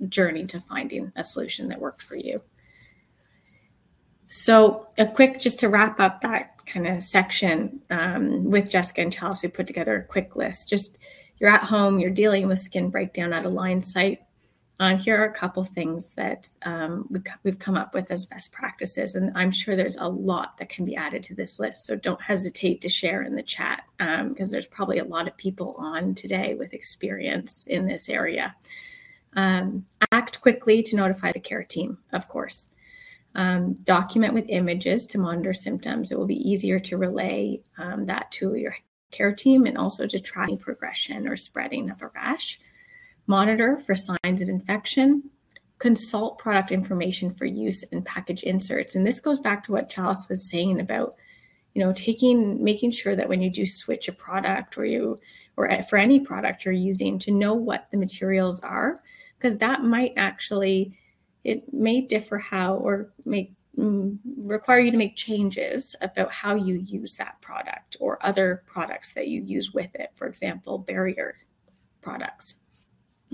journey to finding a solution that worked for you. So a quick, just to wrap up that kind of section, with Jessica and Chalice, we put together a quick list. Just, you're at home, you're dealing with skin breakdown at a line site. Here are a couple of things that we've come up with as best practices, and I'm sure there's a lot that can be added to this list, so don't hesitate to share in the chat, 'cause there's probably a lot of people on today with experience in this area. Act quickly to notify the care team, of course. Document with images to monitor symptoms. It will be easier to relay that to your care team and also to track progression or spreading of a rash. Monitor for signs of infection. Consult product information for use and package inserts. And this goes back to what Chalice was saying about, you know, taking... making sure that when you do switch a product or you- or for any product you're using, to know what the materials are, 'cause that might actually-... It may differ, however, may require you to make changes about how you use that product or other products that you use with it, for example, barrier products,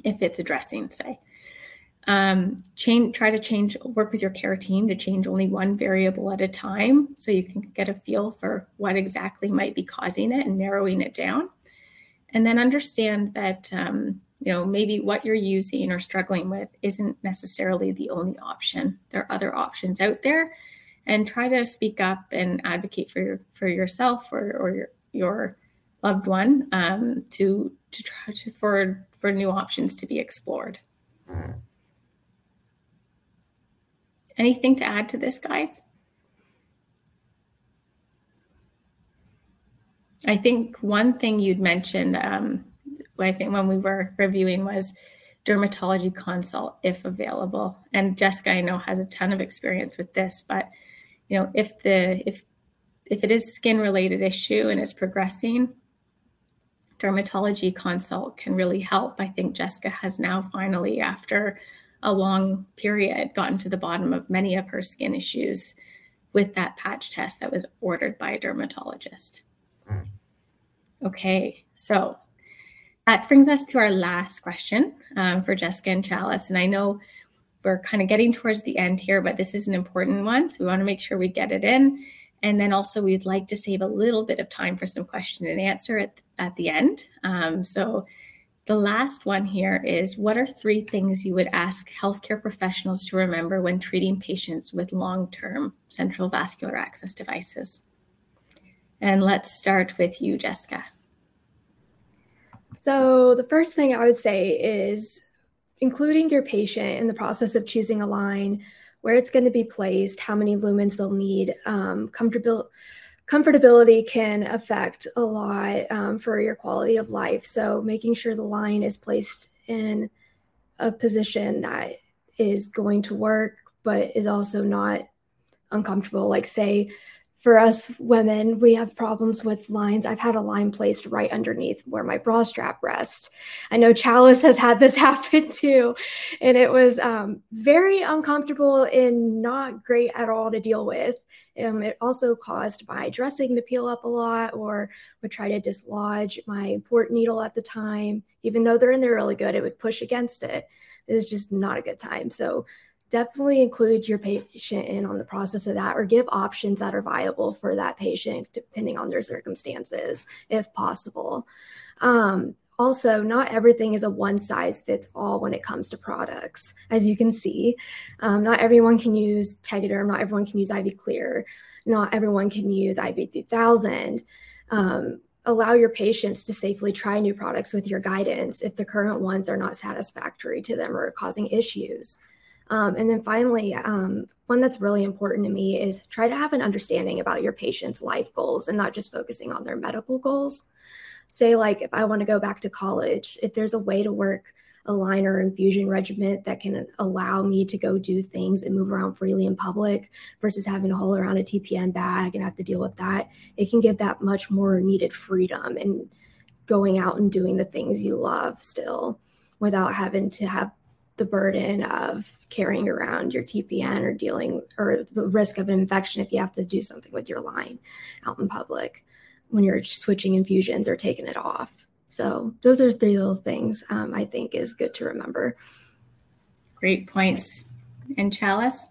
if it's a dressing, say. Try to change, work with your care team to change only one variable at a time, so you can get a feel for what exactly might be causing it and narrowing it down. And then understand that, you know, maybe what you're using or struggling with isn't necessarily the only option. There are other options out there, and try to speak up and advocate for yourself or your loved one, to try to—for new options to be explored. Anything to add to this, guys? I think one thing you'd mentioned, I think when we were reviewing, was dermatology consult, if available, and Jessica, I know, has a ton of experience with this. But, you know, if it is skin-related issue and is progressing, dermatology consult can really help. I think Jessica has now finally, after a long period, gotten to the bottom of many of her skin issues with that patch test that was ordered by a dermatologist. Okay, so that brings us to our last question, for Jessica and Chalice. And I know we're kind of getting towards the end here, but this is an important one, so we want to make sure we get it in. And then also we'd like to save a little bit of time for some question and answer at the end. So, the last one here is: What are three things you would ask healthcare professionals to remember when treating patients with long-term central venous access devices? Let's start with you, Jessica.
So the first thing I would say is including your patient in the process of choosing a line, where it's going to be placed, how many lumens they'll need. Comfortability can affect a lot for your quality of life, so making sure the line is placed in a position that is going to work, but is also not uncomfortable. Like, say, for us women, we have problems with lines. I've had a line placed right underneath where my bra strap rests. I know Chalice has had this happen, too, and it was very uncomfortable and not great at all to deal with. It also caused my dressing to peel up a lot or would try to dislodge my port needle at the time. Even though they're in there really good, it would push against it. It was just not a good time. So definitely include your patient in on the process of that or give options that are viable for that patient, depending on their circumstances, if possible. Also, not everything is a one-size-fits-all when it comes to products. As you can see, not everyone can use Tegaderm, not everyone can use IV Clear, not everyone can use IV3000. Allow your patients to safely try new products with your guidance if the current ones are not satisfactory to them or are causing issues. And then finally, one that's really important to me is try to have an understanding about your patient's life goals and not just focusing on their medical goals. Say, like if I want to go back to college, if there's a way to work a line or infusion regimen that can allow me to go do things and move around freely in public versus having to haul around a TPN bag and have to deal with that, it can give that much more needed freedom in going out and doing the things you love still, without having to have the burden of carrying around your TPN or dealing or the risk of infection if you have to do something with your line out in public when you're switching infusions or taking it off. So those are three little things, I think is good to remember.
Great points. And Chalice?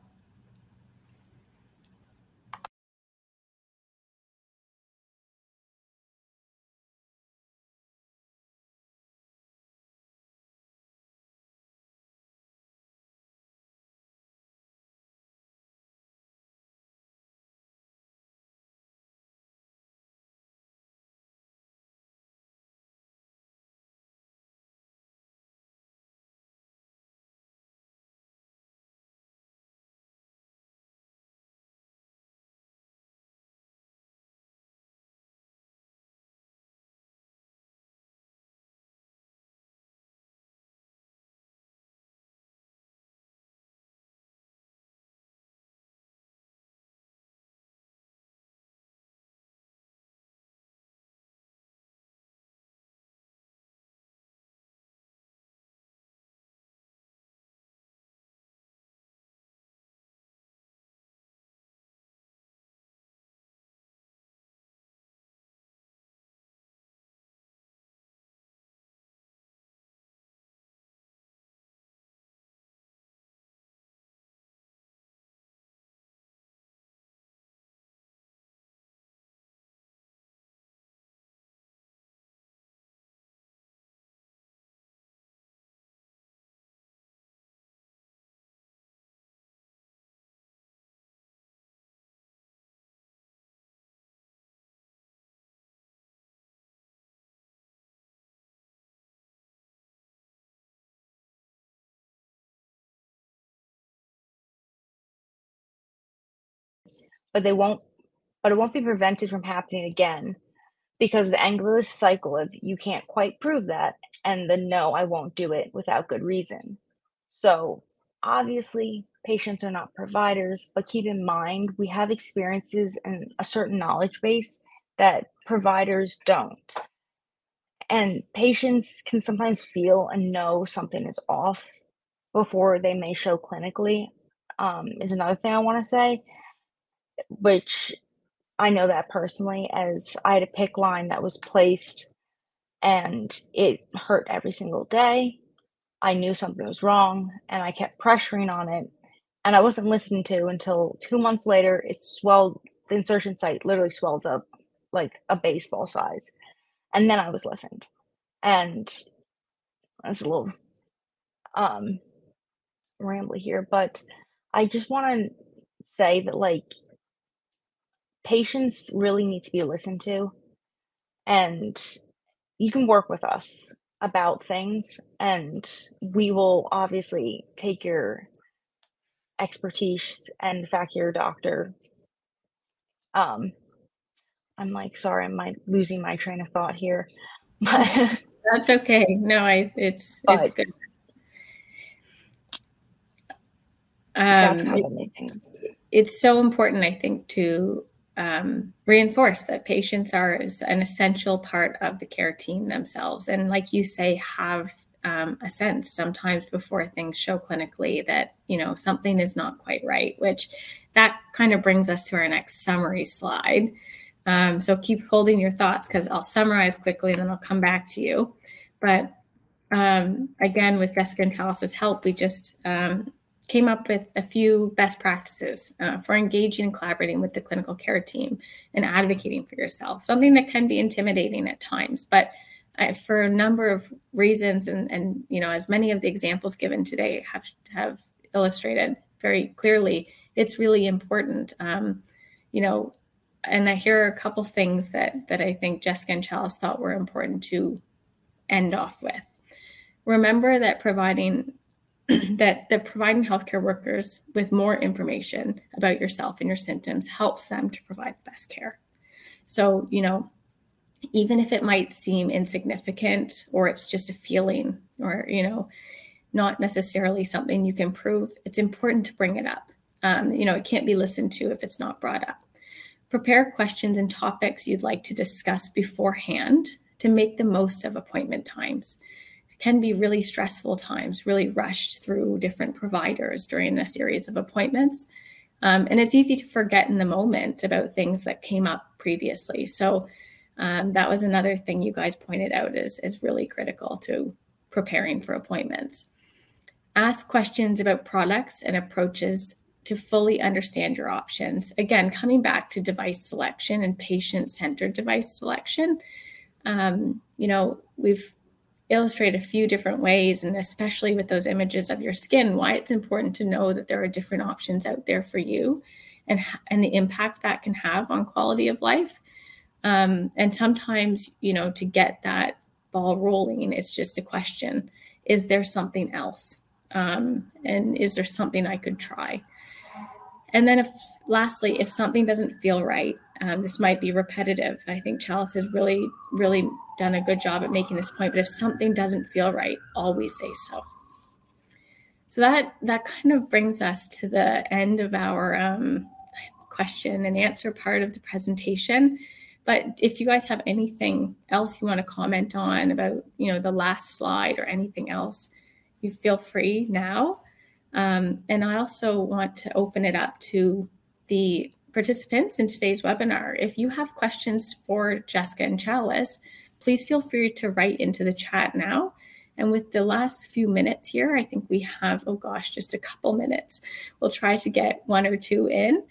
But it won't be prevented from happening again because the endless cycle of you can't quite prove that, and the "No, I won't do it" without good reason. So obviously, patients are not providers, but keep in mind, we have experiences and a certain knowledge base that providers don't... and patients can sometimes feel and know something is off before they may show clinically, is another thing I wanna say. Which I know that personally, as I had a PICC line that was placed, and it hurt every single day. I knew something was wrong, and I kept pressuring on it, and I wasn't listened to until two months later, it swelled, the insertion site literally swelled up like a baseball size, and then I was listened. That's a little ramble here, but I just wanna say that, like, patients really need to be listened to, and you can work with us about things, and we will obviously take your expertise and act as your doctor. I'm like, sorry, I'm like losing my train of thought here, but-
That's okay. No, it's, it's good.
But... That's how many things.
It's so important, I think, to reinforce that patients are as an essential part of the care team themselves, and like you say, have a sense sometimes before things show clinically that, you know, something is not quite right. Which kind of brings us to our next summary slide. So keep holding your thoughts 'cause I'll summarize quickly, and then I'll come back to you. But again, with Jessica and Chalice's help, we just came up with a few best practices for engaging and collaborating with the clinical care team and advocating for yourself, something that can be intimidating at times. But for a number of reasons, and you know, as many of the examples given today have illustrated very clearly, it's really important. You know, and here are a couple of things that I think Jessica and Chalice thought were important to end off with. Remember that providing healthcare workers with more information about yourself and your symptoms helps them to provide the best care. So, you know, even if it might seem insignificant or it's just a feeling or, you know, not necessarily something you can prove, it's important to bring it up. You know, it can't be listened to if it's not brought up. Prepare questions and topics you'd like to discuss beforehand to make the most of appointment times. It can be really stressful times, really rushed through different providers during a series of appointments. And it's easy to forget in the moment about things that came up previously. That was another thing you guys pointed out is really critical to preparing for appointments. Ask questions about products and approaches to fully understand your options. Again, coming back to device selection and patient-centered device selection, you know, we've illustrated a few different ways, and especially with those images of your skin, why it's important to know that there are different options out there for you, and the impact that can have on quality of life. And sometimes, you know, to get that ball rolling, it's just a question: Is there something else? And is there something I could try? And then lastly, if something doesn't feel right, this might be repetitive, I think Chalice has really, really done a good job at making this point, but if something doesn't feel right, always say so. So that, that kind of brings us to the end of our, question and answer part of the presentation. But if you guys have anything else you wanna comment on about, you know, the last slide or anything else, you feel free now. And I also want to open it up to the participants in today's webinar. If you have questions for Jessica and Chalice, please feel free to write into the chat now. And with the last few minutes here, I think we have, oh, gosh, just a couple minutes. We'll try to get one or two in.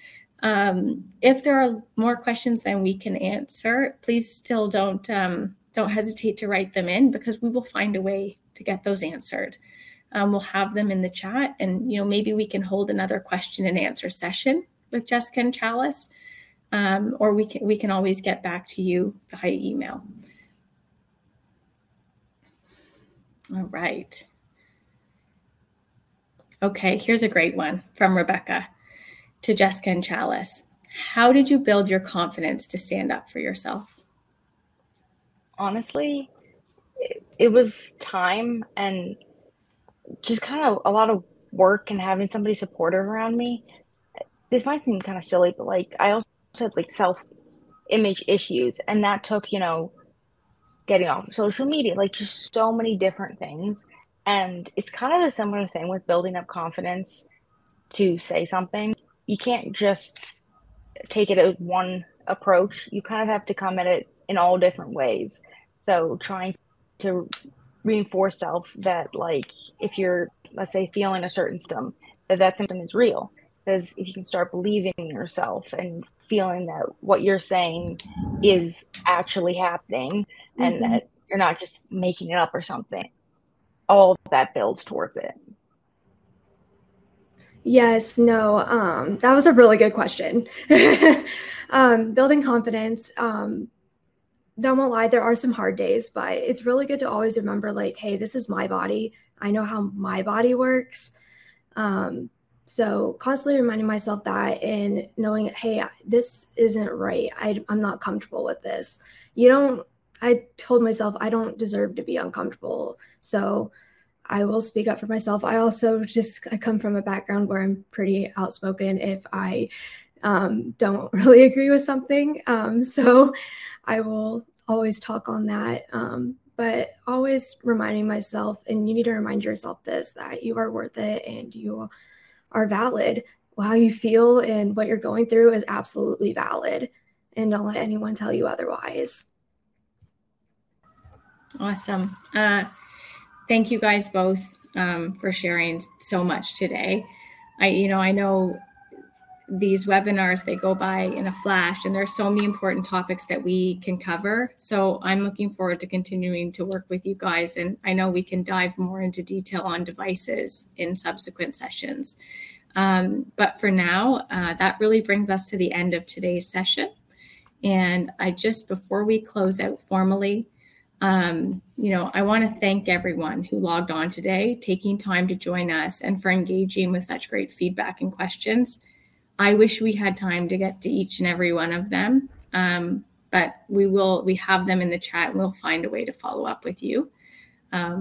If there are more questions than we can answer, please still don't hesitate to write them in because we will find a way to get those answered. We'll have them in the chat, and, you know, maybe we can hold another question and answer session with Jessica and Chalice, or we can always get back to you via email. All right. Okay, here's a great one from Rebecca to Jessica and Chalice: How did you build your confidence to stand up for yourself?
Honestly, it was time and just kinda a lot of work and having somebody supportive around me. This might seem kinda silly, but, like, I also had, like, self-image issues, and that took, you know, getting off social media, like, just so many different things. It's kind of a similar thing with building up confidence to say something. You can't just take it as one approach. You kind of have to come at it in all different ways. Trying to reinforce self that, like, if you're, let's say, feeling a certain symptom, that that symptom is real. 'Cause if you can start believing in yourself and feeling that what you're saying is actually happening, and that you're not just making it up or something, all of that builds towards it.
Yes, no, that was a really good question. Building confidence, I'm not gonna lie, there are some hard days, but it's really good to always remember, like: "Hey, this is my body. I know how my body works." So constantly reminding myself that and knowing that, "Hey, this isn't right. I'm not comfortable with this." I told myself, "I don't deserve to be uncomfortable, so I will speak up for myself." I also just, I come from a background where I'm pretty outspoken if I don't really agree with something. So I will always talk on that. But always reminding myself, and you need to remind yourself this, that you are worth it, and you are valid. How you feel and what you're going through is absolutely valid, and don't let anyone tell you otherwise.
Awesome. Thank you guys both for sharing so much today. You know, I know these webinars, they go by in a flash, and there are so many important topics that we can cover. So I'm looking forward to continuing to work with you guys, and I know we can dive more into detail on devices in subsequent sessions. But for now, that really brings us to the end of today's session. And just before we close out formally, you know, I wanna thank everyone who logged on today, taking time to join us, and for engaging with such great feedback and questions. I wish we had time to get to each and every one of them, but we will... We have them in the chat, and we'll find a way to follow up with you.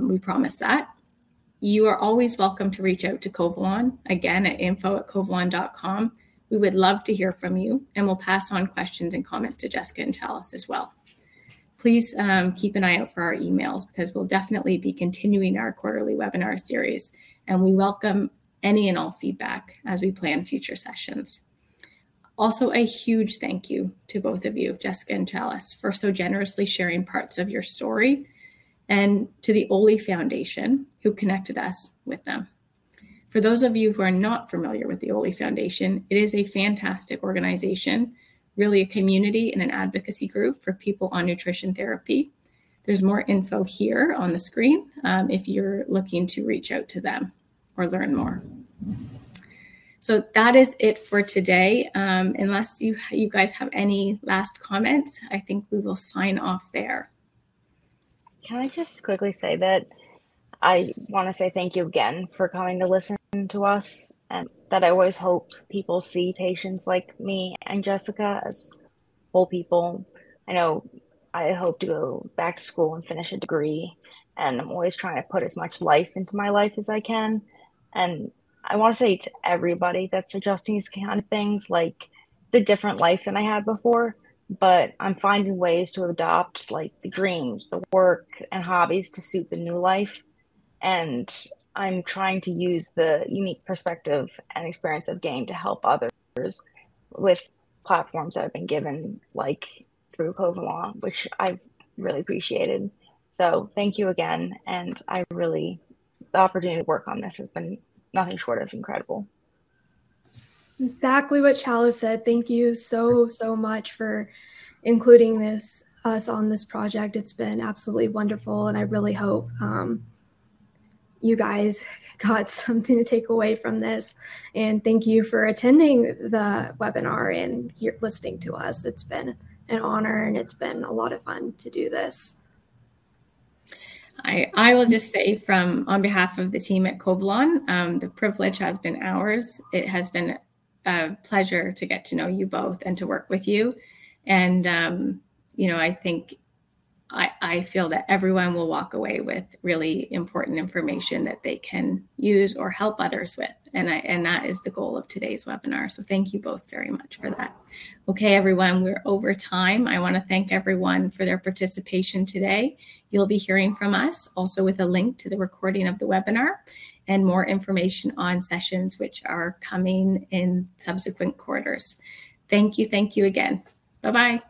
We promise that. You are always welcome to reach out to Covalon, again, at info@covalon.com. We would love to hear from you, and we'll pass on questions and comments to Jessica and Chalice as well. Please, keep an eye out for our emails, because we'll definitely be continuing our quarterly webinar series, and we welcome any and all feedback as we plan future sessions. Also, a huge thank you to both of you, Jessica and Chalice, for so generously sharing parts of your story, and to the Oley Foundation, who connected us with them. For those of you who are not familiar with the Oley Foundation, it is a fantastic organization, really a community and an advocacy group for people on nutrition therapy. There's more info here on the screen, if you're looking to reach out to them or learn more. That is it for today. Unless you guys have any last comments, I think we will sign off there.
Can I just quickly say that I wanna say thank you again for coming to listen to us, and that I always hope people see patients like me and Jessica as whole people. I know I hope to go back to school and finish a degree, and I'm always trying to put as much life into my life as I can. And I wanna say to everybody that's adjusting to these kind of things, like, it's a different life than I had before, but I'm finding ways to adapt, like, the dreams, the work, and hobbies to suit the new life. And I'm trying to use the unique perspective and experience I've gained to help others with platforms that I've been given, like through Covalon, which I've really appreciated. So thank you again, and I really—the opportunity to work on this has been nothing short of incredible.
Exactly what Chalice said. Thank you so, so much for including us on this project. It's been absolutely wonderful, and I really hope you guys got something to take away from this. Thank you for attending the webinar and here listening to us. It's been an honor, and it's been a lot of fun to do this.
I will just say on behalf of the team at Covalon, the privilege has been ours. It has been a pleasure to get to know you both and to work with you. And, you know, I think I feel that everyone will walk away with really important information that they can use or help others with, and that is the goal of today's webinar. So thank you both very much for that. Okay, everyone, we're over time. I wanna thank everyone for their participation today. You'll be hearing from us, also with a link to the recording of the webinar and more information on sessions which are coming in subsequent quarters. Thank you, thank you again. Bye-bye!